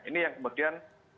ini yang kemudian